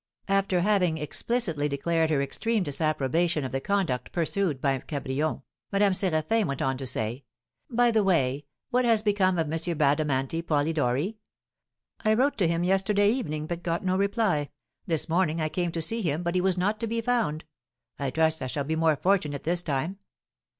After having explicitly declared her extreme disapprobation of the conduct pursued by Cabrion, Madame Séraphin went on to say: "By the way, what has become of M. Bradamanti Polidori? I wrote to him yesterday evening, but got no reply; this morning I came to see him, but he was not to be found. I trust I shall be more fortunate this time."